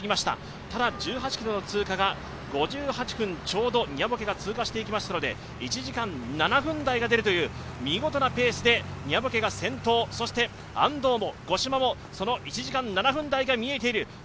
ただ、１８ｋｍの通過が５８分ちょうどでニャボケが通過していきましたので、１時間７分台が出るという見事なペースでニャボケが先頭そして安藤も五島もその１時間７分台が見えている。